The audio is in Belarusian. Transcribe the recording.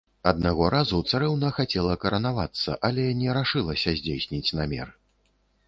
Аднаго разу царэўна хацела каранавацца, але не рашылася здзейсніць намер.